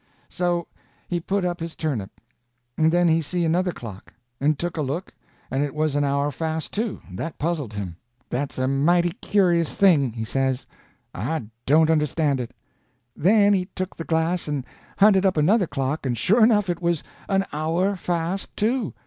So he put up his turnip. Then he see another clock, and took a look, and it was an hour fast too. That puzzled him. "That's a mighty curious thing," he says. "I don't understand it." Then he took the glass and hunted up another clock, and sure enough it was an hour fast too.